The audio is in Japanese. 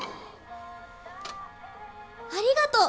ありがとう！